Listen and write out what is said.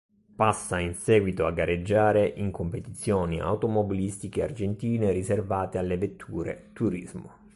Passa in seguito a gareggiare in competizioni automobilistiche argentine riservate alle vetture turismo.